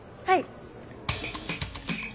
はい。